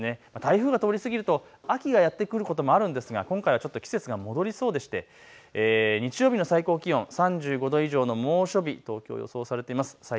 台風が通り過ぎると秋がやって来ることもあるんですが今回はちょっと季節が戻りそうでして、日曜日の最高気温は３５度以上の猛暑日、東京予想されています。